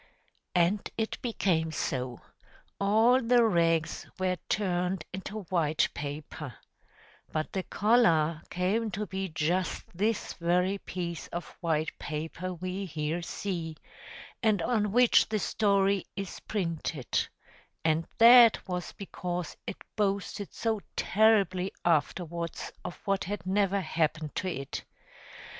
And it became so, all the rags were turned into white paper; but the collar came to be just this very piece of white paper we here see, and on which the story is printed; and that was because it boasted so terribly afterwards of what had never happened to it.